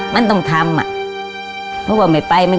มันนึกถึงแต่ห่วงหลานไม่เคยได้พักเลย